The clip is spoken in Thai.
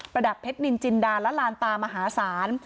ระดับเพชรนินจินดาและลานตามหาศาล